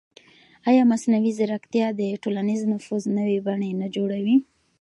ایا مصنوعي ځیرکتیا د ټولنیز نفوذ نوې بڼې نه جوړوي؟